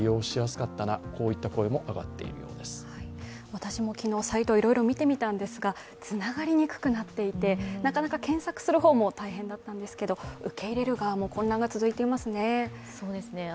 私も昨日、サイトいろいろ見てみたんですけれどもつながりにくくなっていてなかなか検索する方も大変だったんですけど受け入れる側も混乱が続いていますね。